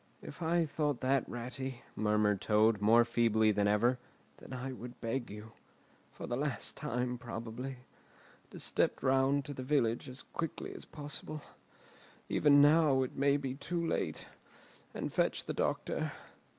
"If I thought that, Ratty," murmured Toad, more feebly than ever, "then I would beg you—for the last time, probably—to step round to the village as quickly as possible—even now it may be too late—and fetch the doctor.